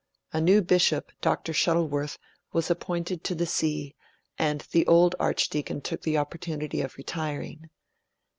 A new bishop, Dr. Shuttleworth, was appointed to the See, and the old Archdeacon took the opportunity of retiring.